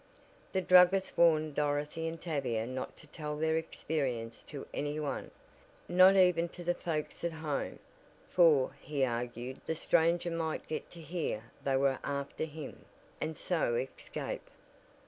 The druggist warned Dorothy and Tavia not to tell their experience to any one, not even to the folks at home, for, he argued the stranger might get to hear they were after him, and so escape.